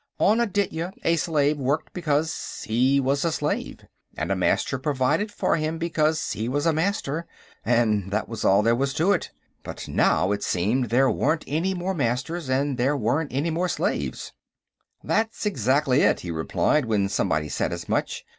On Aditya, a slave worked because he was a slave, and a Master provided for him because he was a Master, and that was all there was to it. But now, it seemed, there weren't any more Masters, and there weren't any more slaves. "That's exactly it," he replied, when somebody said as much.